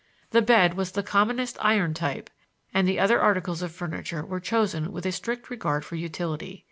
The bed was the commonest iron type; and the other articles of furniture were chosen with a strict regard for utility.